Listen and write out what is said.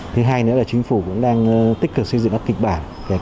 thứ hai nữa là chính phủ cũng đang tích cực xây dựng các kịch bản